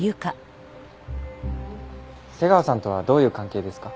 瀬川さんとはどういう関係ですか？